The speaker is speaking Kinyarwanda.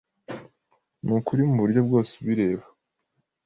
Nukuri muburyo bwose ubireba.